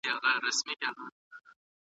روح مې هیڅکله له خپل حاله راضي نه سو.